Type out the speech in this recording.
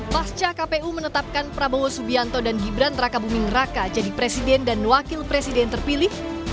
pasca kpu menetapkan prabowo subianto dan gibran raka buming raka jadi presiden dan wakil presiden terpilih